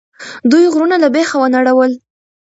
دوی غرونه له بیخه ونړول.